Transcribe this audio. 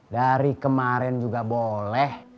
dari kemarin juga boleh